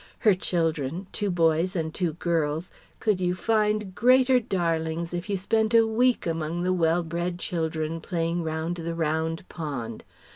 Her children two boys and two girls could you find greater darlings if you spent a week among the well bred childern playing round the Round Pond?